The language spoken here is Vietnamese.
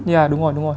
dạ đúng rồi đúng rồi